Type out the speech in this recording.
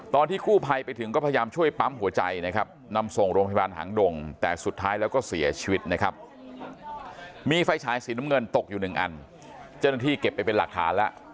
มีไฟฉายสีน้ำเงินตกอยู่หนึ่งอันเจ้าหน้าที่เก็บไปเป็นหลักฐานแล้ว